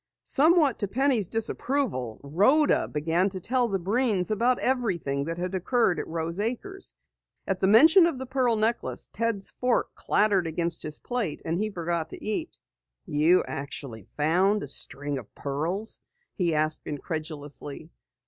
Somewhat to Penny's disapproval, Rhoda began to tell the Breens about everything that had occurred at Rose Acres. At mention of the pearl necklace, Ted's fork clattered against his plate and he forgot to eat. "You actually found a string of pearls?" he asked incredulously.